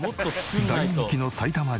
大人気の埼玉汁